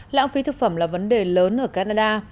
lãng phí thực phẩm là vấn đề lớn ở canada